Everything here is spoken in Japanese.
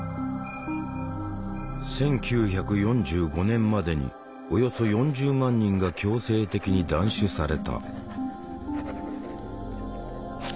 １９４５年までにおよそ４０万人が強制的に断種された。